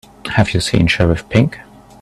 Have you seen Sheriff Pink?